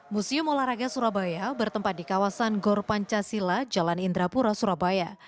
museum olahraga surabaya bertempat di kawasan gor pancasila jalan indrapura surabaya